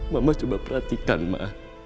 mama coba perhatikan ma